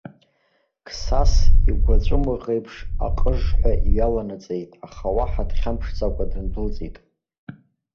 Қсас игәы аҵәымӷ еиԥш аҟыжҳәа иҩаланаҵеит, аха уаҳа дхьамԥшӡакәа дындәылҵит.